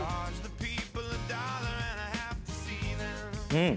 うん！